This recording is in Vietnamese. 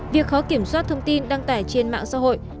việc khó kiểm soát thông tin đăng tải trên mạng xã hội